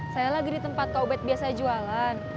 saya lagi di tempat kau bed biasanya jualan